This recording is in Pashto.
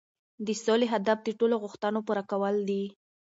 د سولې هدف د ټولو د غوښتنو پوره کول دي.